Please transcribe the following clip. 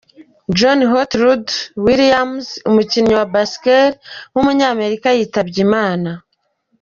John Hot Rod Williams, umukinnyi wa basketball w’umunyamerika, yitabye Imana.